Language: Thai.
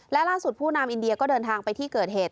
และล่าสุดผู้นำอินเดียก็เดินทางไปที่เกิดเหตุ